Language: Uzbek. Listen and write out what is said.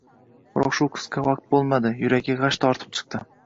biroq shu qisqa vaqt bo'lmadi, yuragi g‘ash tortib chiqdi.